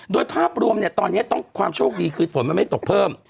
โดยภาพรวมเนี่ยตอนนี้ต้องความโชคดีคือฝนมันไม่ตกเพิ่ม